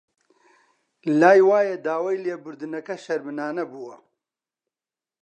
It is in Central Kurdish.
لای وایە داوای لێبوردنەکە شەرمنانە بووە